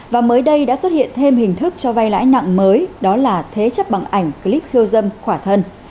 và mới đây đã xuất hiện thêm hình thức cho vay lãi nặng mới đó là thế chấp bằng ảnh clip khiêu dâm khỏa thân